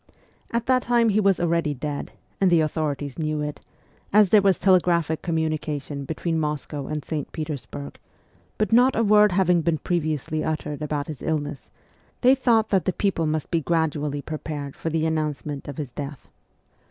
At that time he was already dead, and the authorities knew it, as there was tele graphic communication between Moscow and St. Peters burg ; but not a word having been previously uttered about his illness, they thought that the people must be gradually prepared for the announcement of his death.